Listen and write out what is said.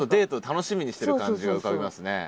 楽しみにしてる感じが浮かびますね。